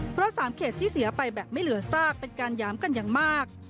เพราะ๓เขตที่เสียไปแบบไม่เหลือซากเป็นการหยามกันอย่างมาก